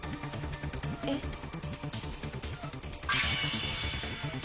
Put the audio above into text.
えっ？